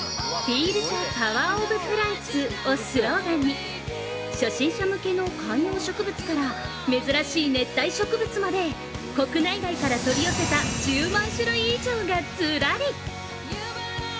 ◆「フィールザパワーオブプランツ」をスローガンに初心者向けの観葉植物から、珍しい熱帯植物まで、国内外から取り寄せた１０万種類以上がずらり。